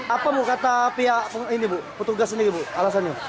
apa bu kata pihak ini bu petugas ini bu alasannya